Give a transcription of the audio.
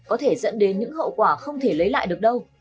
có thể dẫn đến những hậu quả không thể lấy lại được đâu